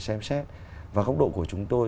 xem xét và góc độ của chúng tôi